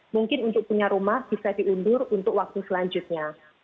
mungkin untuk punya rumah bisa diundur untuk waktu selanjutnya